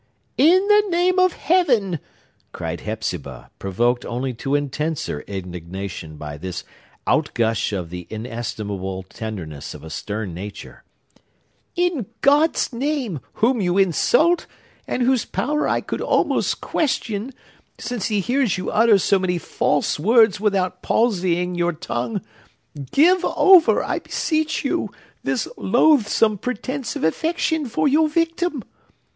"In the name of Heaven," cried Hepzibah, provoked only to intenser indignation by this outgush of the inestimable tenderness of a stern nature,—"in God's name, whom you insult, and whose power I could almost question, since he hears you utter so many false words without palsying your tongue,—give over, I beseech you, this loathsome pretence of affection for your victim!